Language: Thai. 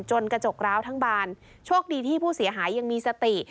กระจกร้าวทั้งบานโชคดีที่ผู้เสียหายยังมีสติ